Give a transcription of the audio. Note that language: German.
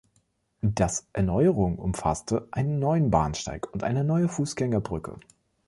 Das Erneuerung umfasste einen neuen Bahnsteig und eine neue Fußgängerbrücke.